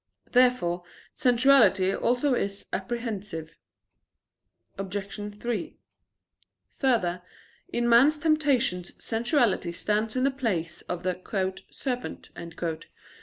Therefore sensuality also is apprehensive. Obj. 3: Further, in man's temptations sensuality stands in the place of the "serpent."